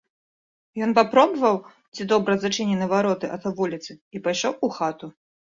Ён папробаваў, ці добра зачынены вароты ад вуліцы, і пайшоў у хату.